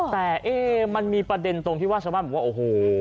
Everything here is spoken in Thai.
แต่มันมีประเด็นตรงที่ว่าชาวบ้านเหมือนว่า